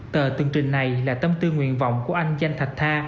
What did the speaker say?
tờ tương trình này là tâm tư nguyện vọng của anh danh thạch tha